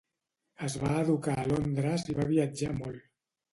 Es va educar a Londres i va viatjar molt.